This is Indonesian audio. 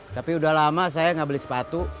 tapi udah lama saya nggak beli sepatu